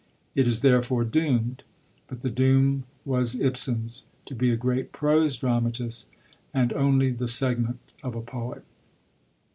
It is therefore doomed.' But the doom was Ibsen's: to be a great prose dramatist, and only the segment of a poet.